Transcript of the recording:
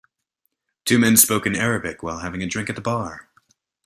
Two men spoke in Arabic while having a drink at the bar.